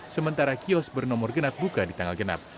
sementara kiosk bernomor genap buka di tengah genap